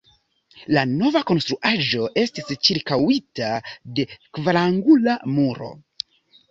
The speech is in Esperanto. La nova konstruaĵo estis ĉirkaŭita de kvarangula muro.